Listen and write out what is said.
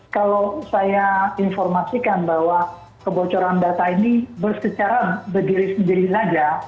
kalau saya informasikan bahwa kebocoran data ini secara berdiri sendiri saja